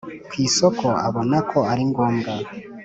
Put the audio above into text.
Ku isoko abonako ari ngombwa